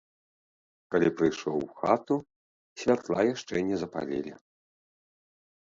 Калі прыйшоў у хату, святла яшчэ не запалілі.